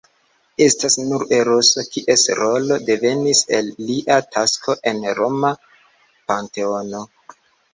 Estas nur Eroso, kies rolo devenis el lia tasko en roma panteono.